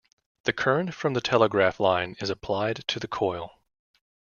The current from the telegraph line is applied to the coil.